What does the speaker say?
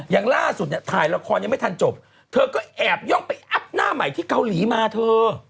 อย่างล่าสุดเนี่ยถ่ายละครยังไม่ทันจบเธอก็แอบย่องไปอัพหน้าใหม่ที่เกาหลีมาเธอ